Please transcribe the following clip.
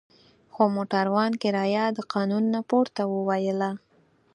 خو موټروان کرایه د قانون نه پورته وویله.